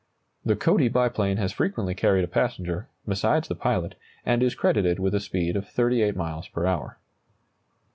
The Cody biplane has frequently carried a passenger, besides the pilot, and is credited with a speed of 38 miles per hour.